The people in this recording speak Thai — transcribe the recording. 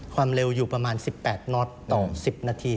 ความเร็วอยู่ประมาณ๑๘น็อตต่อ๑๐นาที